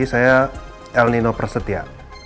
saya elnino persetia